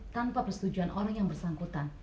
tanpa persetujuan orang yang bersangkutan